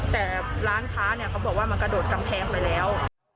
แต่ร้านค้าเนี่ยเขาบอกว่ามันกระโดดกำแพงไปแล้ว